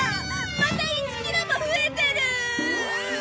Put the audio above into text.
また１キロも増えてるっ！